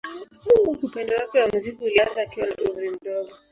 Upendo wake wa muziki ulianza akiwa na umri mdogo.